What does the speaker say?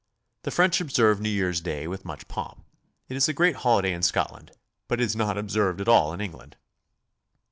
The French observe New Years' Day with much pomp. It is the great holiday in Scotland, but is not observed at all in England.